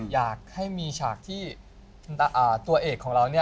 อยากให้มีฉากที่ตัวเอกของเรา